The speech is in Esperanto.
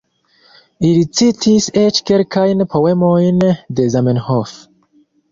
Li citis eĉ kelkajn poemojn de Zamenhof.